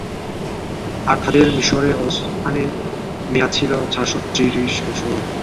আর তাদের মিসরে অবস্থানের মেয়াদ ছিল চারশ ত্রিশ বছর।